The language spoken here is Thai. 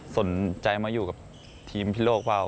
สนใจมาอยู่กับทีมพิโลกเปล่า